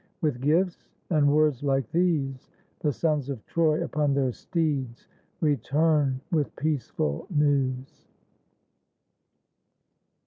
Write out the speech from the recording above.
With gifts and words like these, the sons of Troy Upon their steeds return with peaceful news.